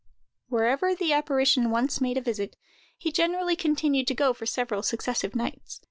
Wherever the apparition once made a visit, he generally continued to go for several successive nights.